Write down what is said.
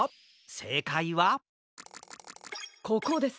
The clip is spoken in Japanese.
せいかいはここです。